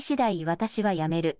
私は辞める。